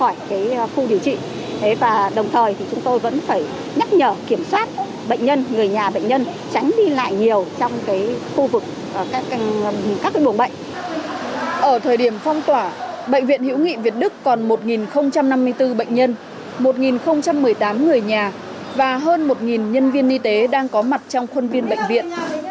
trong phong tỏa bệnh viện hiễu nghị việt đức còn một năm mươi bốn bệnh nhân một một mươi tám người nhà và hơn một nhân viên y tế đang có mặt trong khuôn viên bệnh viện